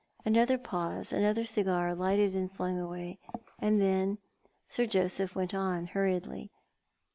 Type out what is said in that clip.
Another pause, another cigar lighted and flung away — and then Sir Joseph went on hurriedly.